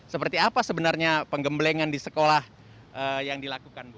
seperti apa sebenarnya penggemblengan di sekolah yang dilakukan bu